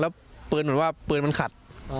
แล้วปืนเหมือนพื้นมาขัด